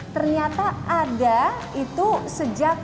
ternyata ada itu sejak